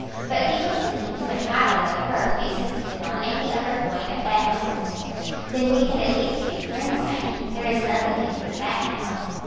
But he was thinking too entirely of her to be sensitive on any other point at that moment. "Then we can at least be friends, Maggie? There is nothing to hinder that now?"